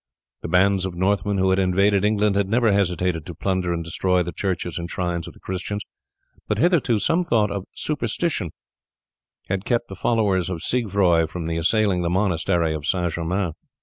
The bands of Northmen who had invaded England had never hesitated to plunder and destroy the churches and shrines of the Christians, but hitherto some thought of superstition had kept the followers of Siegfroi from assailing the monastery of St. Germain.